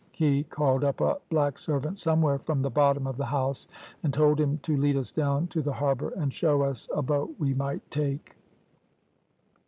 He called up a black servant somewhere from the bottom of the house, and told him to lead us down to the harbour and show us a boat we might take.